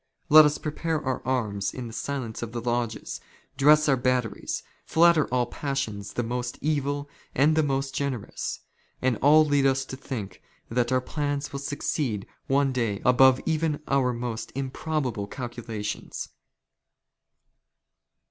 Let us prepare our arms in the silence of the lodges, *' dress our batteries, flatter all passions the most evil and the " most generous, and all lead us to think that our plans will " succeed one day above even our most improbable calculations."